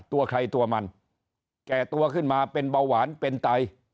ตัวใครตัวมันแก่ตัวขึ้นมาเป็นเบาหวานเป็นไต